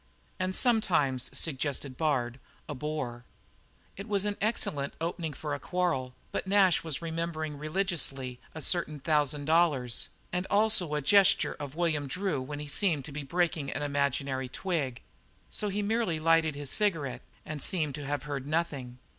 "And sometimes," suggested Bard, "a bore." It was an excellent opening for a quarrel, but Nash was remembering religiously a certain thousand dollars, and also a gesture of William Drew when he seemed to be breaking an imaginary twig. So he merely lighted his cigarette and seemed to have heard nothing.